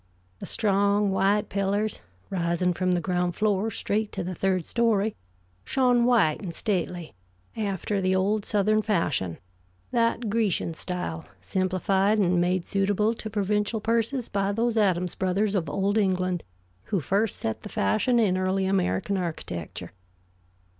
The strong white pillars, rising from the ground floor straight to the third story, shone white and stately, after the old Southern fashion, that Grecian style, simplified and made suitable to provincial purses by those Adams brothers of old England who first set the fashion in early American architecture.